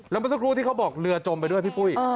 แล้วเมื่อสักครู่ที่เขาบอกเรือจมไปด้วยพี่ปุ้ย